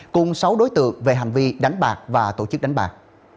cùng sáu đối tượng về hành vi đánh bạc và tổ chức đánh bạc